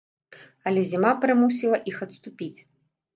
Але зіма прымусіла іх адступіць.